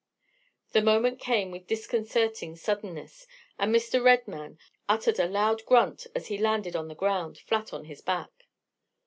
The moment came with disconcerting suddenness, and Mr. Redman uttered a loud grunt as he landed on the ground, flat on his back.